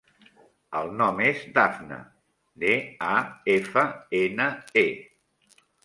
El nom és Dafne: de, a, efa, ena, e.